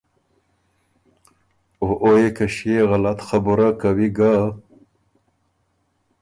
او او يې که ݭيې غلط خبُره کوی ګه،